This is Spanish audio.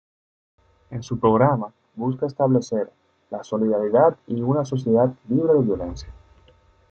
En su programa, busca establecer "la solidaridad y una sociedad libre de violencia".